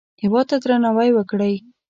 هېواد ته درناوی وکړئ